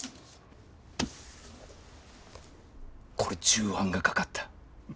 これ重版がかかった。